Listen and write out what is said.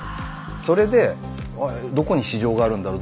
それでどこに市場があるんだろう